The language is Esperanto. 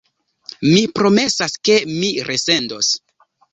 Mi promesas, ke mi resendos.